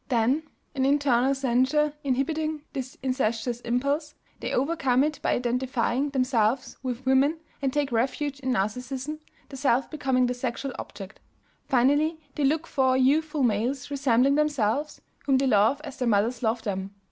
Then, an internal censure inhibiting this incestuous impulse, they overcome it by identifying themselves with women and taking refuge in Narcissism, the self becoming the sexual object. Finally they look for youthful males resembling themselves, whom they love as their mothers loved them.